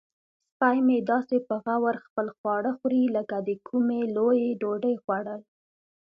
سپی مې داسې په غور خپل خواړه خوري لکه د کومې لویې ډوډۍ خوړل.